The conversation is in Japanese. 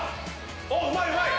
⁉おっうまいうまい！